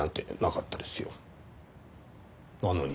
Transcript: なのに。